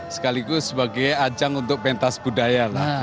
sekaligus sebagai ajang untuk pentas budaya lah